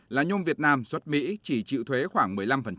là nhôm việt nam xuất mỹ chỉ chịu thuế khoảng một mươi năm